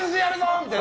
みたいな。